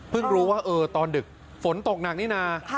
รู้ว่าตอนดึกฝนตกหนักนี่นะ